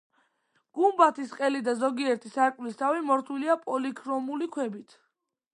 გუმბათის ყელი და ზოგიერთი სარკმლის თავი მორთულია პოლიქრომული ქვებით.